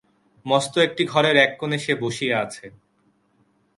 মস্ত একটি ঘরের এককোণে সে বসিয়া আছে।